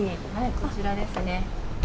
こちらですね。